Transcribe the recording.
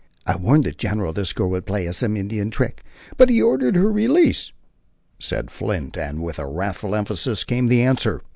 "I warned the general that girl would play us some Indian trick, but he ordered her release," said Flint, and with wrathful emphasis came the answer.